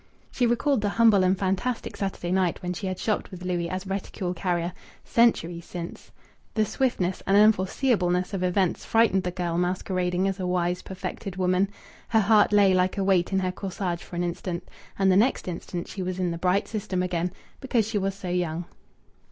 She recalled the humble and fantastic Saturday night when she had shopped with Louis as reticule carrier ... centuries since. The swiftness and unforeseeableness of events frightened the girl masquerading as a wise, perfected woman. Her heart lay like a weight in her corsage for an instant, and the next instant she was in the bright system again, because she was so young.